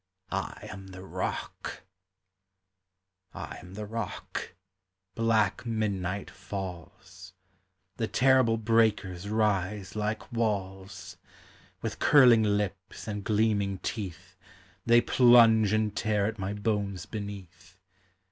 I am the Bock ! I am the Rock. Black midnight falls; The terrible 1 breakers rise like walls; With curling lips and gleaming teeth They plunge and tear at my bones beneath.